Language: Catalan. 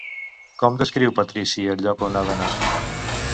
Com descriu Patrici el lloc on ha d'anar?